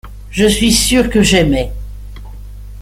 Je suis sûr que j’aimai.